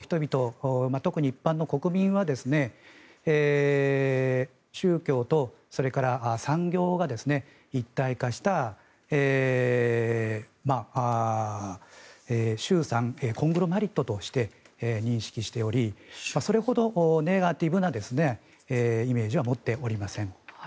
それ以外の人々特に一般の国民は宗教とそれから産業が一体化したコングロマリットとして認識しておりそれほどネガティブなイメージは持っておりません。